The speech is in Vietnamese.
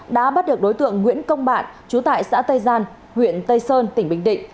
đã bắt được đối tượng nguyễn công bạn trú tại xã tây gian huyện tây sơn tỉnh bình định